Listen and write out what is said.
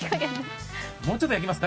もうちょっと焼きますか。